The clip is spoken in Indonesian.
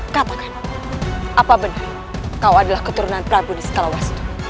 katakan apa benar kau adalah keturunan prabu nisqalawastu